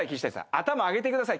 頭上げてください。